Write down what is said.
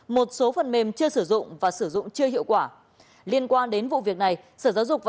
một số phần mềm chưa sử dụng và sử dụng chưa hiệu quả liên quan đến vụ việc này sở giáo dục và